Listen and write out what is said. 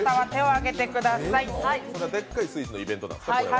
でっかいスイーツのイベントなんですか、これは？